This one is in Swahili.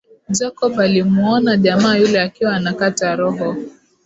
Jacob alimuona jamaa yule akiwa anakata roho